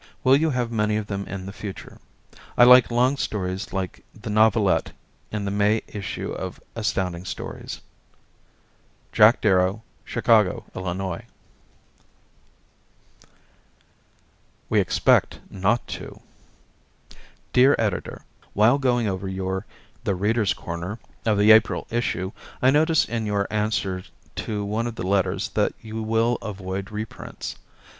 Will you have many of them in the future? I like long stories like the novelette in the May issue of Astounding Stories Jack Darrow, 4225 N. Spaulding Ave., Chicago, Illinois. We Expect Not To Dear Editor: While going over your "The Readers' Corner" of the April issue, I noticed in your answer to one of the letters that you will avoid reprints.